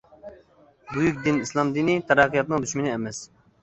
بۈيۈك دىن ئىسلام دىنى تەرەققىياتنىڭ دۈشمىنى ئەمەس.